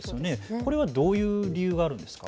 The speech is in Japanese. これはどういう理由なんですか。